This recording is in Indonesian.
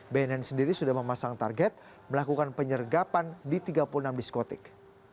bnn sendiri sudah memasang target melakukan penyergapan di tiga puluh enam diskotik